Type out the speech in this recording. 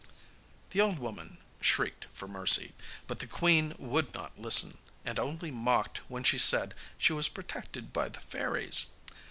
The old woman shrieked for mercy, but the queen would not listen, and only mocked when she said she was protected by the fairies.